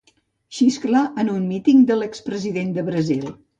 Xisclar en un míting de l'expresident de Brasil.